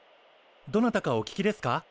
どなたかお聞きですか？